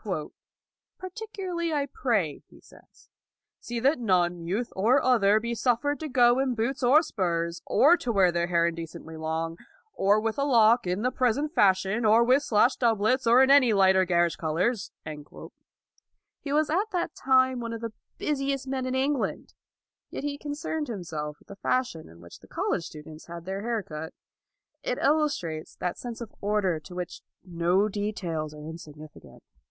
" Particularly I pray," he says, " see that none, youth or other, be suffered to go in boots or spurs, or to wear their hair indecently long, or with a lock in the present fashion, or with slashed doublets, or in any light or garish colors." He was at that time one of the 220 LAUD busiest men in England, yet he concerned himself with the fashion in which the college students had their hair cut. It illustrates that sense of order to which no details are insignificant.